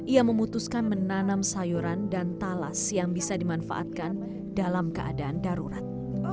ia memutuskan menanam sayuran dan talas yang bisa dimanfaatkan dalam keadaan darurat